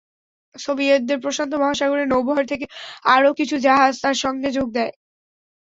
সোভিয়েতদের প্রশান্ত মহাসাগরের নৌবহর থেকে আরও কিছু জাহাজ তার সঙ্গে যোগ দেয়।